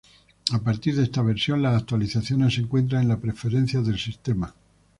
A partir de esta versión, las actualizaciones se encuentran en las preferencias del sistema.